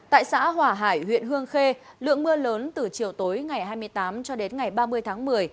tại xã hỏa hải huyện hương khê lượng mưa lớn từ chiều tối ngày hai mươi tám cho đến ngày ba mươi tháng một mươi